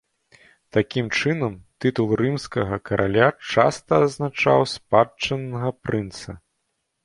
Такім чынам, тытул рымскага караля часта азначаў спадчыннага прынца.